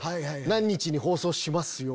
何日に放送しますよ！